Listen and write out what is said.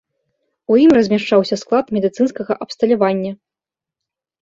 У ім размяшчаўся склад медыцынскага абсталявання.